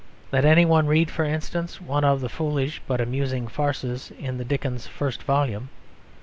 Let any one read, for instance, one of the foolish but amusing farces in Dickens's first volume.